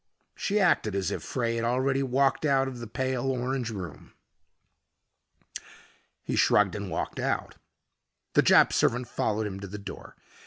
She acted as if Frey had already walked out of the pale orange room. He shrugged and walked out. The Jap servant followed him to the door.